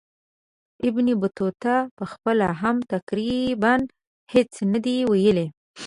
ابن بطوطه پخپله هم تقریبا هیڅ نه دي ویلي.